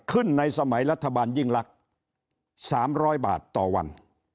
ขึ้นในสมัยรัฐบาลยิ่งรักสามร้อยบาทต่อวัน